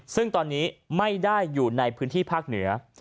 ซึ่งตอนนี้ไม่ได้อยู่ในพื้นที่ภาคเหนือ